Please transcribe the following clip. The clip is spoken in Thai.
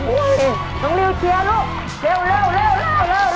โอ้ยน้องลิวเชียรึกเร็ว